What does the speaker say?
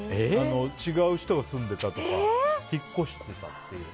違う人が住んでたとか引っ越してたっていう。